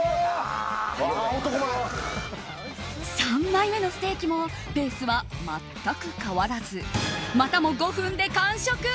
３枚目のステーキもペースは全く変わらずまたも５分で完食。